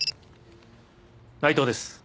内藤です。